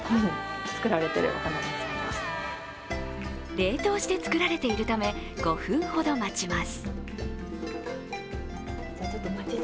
冷凍して作られているため、５分ほど待ちます。